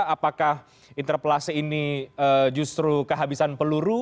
apakah interpelasi ini justru kehabisan peluru